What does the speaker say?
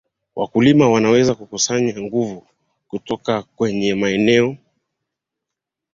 wakulima wanaweza kukusanya nguvu kutoka kwenye maneno